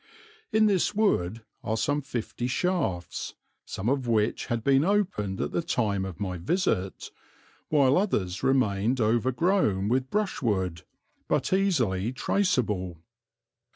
In this wood are some fifty shafts, some of which had been opened at the time of my visit, while others remained overgrown with brushwood but easily traceable.